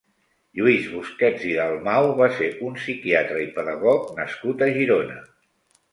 Lluís Busquets i Dalmau va ser un psiquiatre i pedagog nascut a Girona.